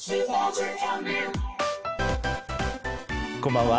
こんばんは。